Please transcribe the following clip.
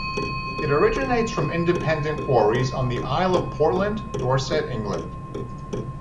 It originates from Independent quarries on the Isle of Portland, Dorset, England.